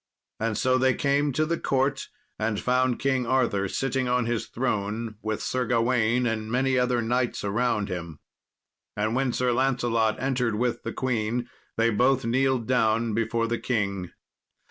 And so they came to the court, and found King Arthur sitting on his throne, with Sir Gawain and many other knights around him. And when Sir Lancelot entered with the queen, they both kneeled down before the king.